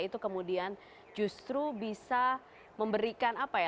itu kemudian justru bisa memberikan apa ya